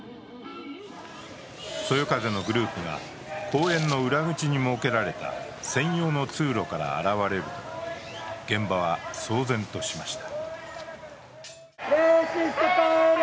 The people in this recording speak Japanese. そよ風のグループが公園の裏口に設けられた専用の通路から現れると現場は騒然としました。